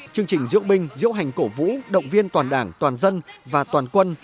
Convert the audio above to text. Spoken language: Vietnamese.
chương trình diễu binh diễu hành cổ vũ động viên toàn đảng toàn dân và toàn quân